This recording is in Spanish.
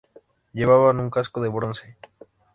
Llevaban un casco de bronce.